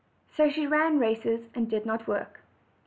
So she ran races, and did not work.